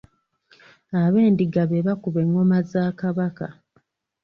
Abendiga be bakuba engoma za Kabaka.